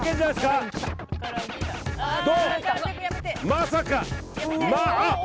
まさか。